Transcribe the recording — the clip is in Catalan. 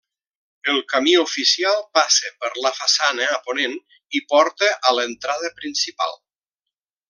El camí oficial passa per la façana a ponent i porta a l'entrada principal.